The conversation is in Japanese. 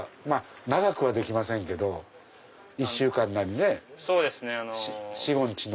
長くはできませんけど１週間なりね４５日の。